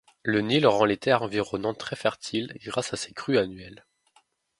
Le Nil rend les terres environnantes très fertiles grâce à ses crues annuelles.